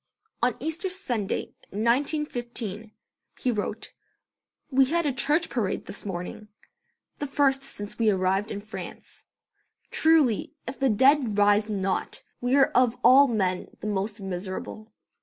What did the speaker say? On Easter Sunday, 1915, he wrote: "We had a church parade this morning, the first since we arrived in France. Truly, if the dead rise not, we are of all men the most miserable."